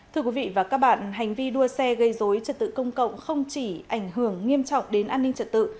thưa quý vị và các bạn hành vi đua xe gây dối trật tự công cộng không chỉ ảnh hưởng nghiêm trọng đến an ninh trật tự